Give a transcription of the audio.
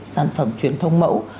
sản phẩm truyền thông mẫu